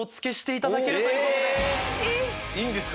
いいんですか？